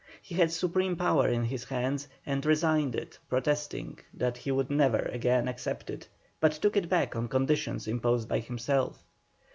He had supreme power in his hands, and resigned it, protesting that he would never again accept it, but took it back on conditions imposed by himself.